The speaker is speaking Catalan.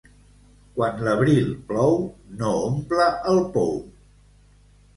Quan l'abril plou, no omple el pou.